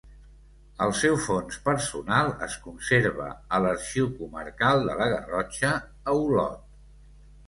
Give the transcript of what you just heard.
El seu fons personal es conserva a l'Arxiu Comarcal de la Garrotxa, a Olot.